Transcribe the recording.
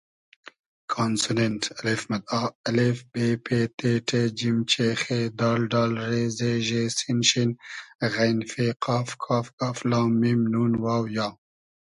کانسونېنݖ: آ ا ب پ ت ݖ ج چ خ د ۮ ر ز ژ س ش غ ف ق ک گ ل م ن و ی